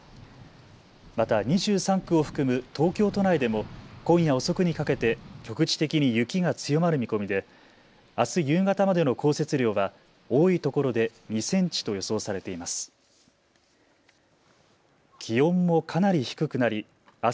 また２３区を含む東京都内でも今夜遅くにかけて局地的に雪が強まる見込みであす夕方までの降雪量は多いところで２センチと予想されています。